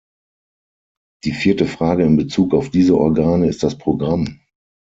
Die vierte Frage in Bezug auf diese Organe ist das Programm.